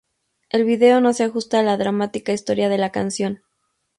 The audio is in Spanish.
El vídeo no se ajusta a la dramática historia de la canción.